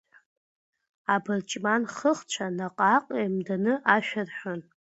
Абырҷманхыхцәа наҟ-ааҟ еимданы ашәа рҳәон.